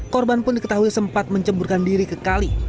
korban pun diketahui sempat menceburkan diri ke kali